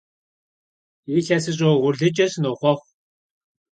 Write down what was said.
Yilhesış'e vuğurlıç'e sınoxhuexhu!